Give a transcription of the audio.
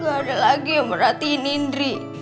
nggak ada lagi yang perhatiin indri